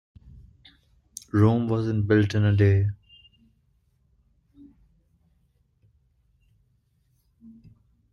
Rome wasn't built in a day.